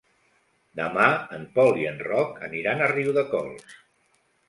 Demà en Pol i en Roc aniran a Riudecols.